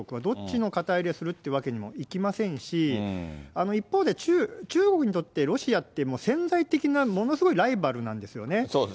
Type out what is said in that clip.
どっちの肩入れをするってわけにもいきませんし、一方で中国にとってロシアってもう潜在的な、ものすごいライバルなんですよね。